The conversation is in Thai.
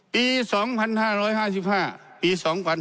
ปี๒๕๕๕ปี๒๕๕๙